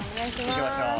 行きましょう。